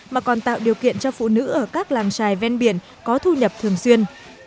mà còn tạo điều kiện cho phụ nữ ở các làng trài ven biển có thu nhập thường xuyên